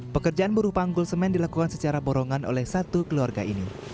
pekerjaan buruh panggul semen dilakukan secara borongan oleh satu keluarga ini